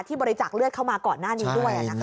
บริจาคเลือดเข้ามาก่อนหน้านี้ด้วย